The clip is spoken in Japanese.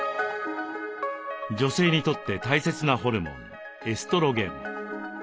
女性にとって大切なホルモン「エストロゲン」。